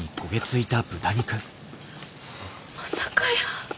まさかやー。